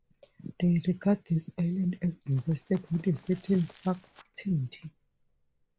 They regard these islands as invested with a certain sanctity.